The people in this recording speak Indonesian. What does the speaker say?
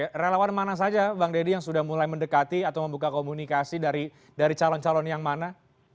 oke relawan mana saja bang deddy yang sudah mulai mendekati atau membuka komunikasi dari calon calon yang mana